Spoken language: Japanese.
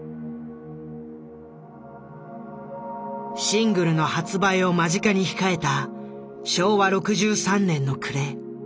シングルの発売を間近に控えた昭和６３年の暮れ。